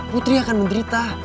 putri akan menderita